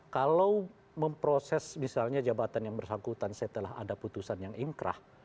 kalau memproses misalnya jabatan yang bersangkutan setelah ada putusan yang ingkrah